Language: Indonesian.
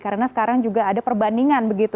karena sekarang juga ada perbandingan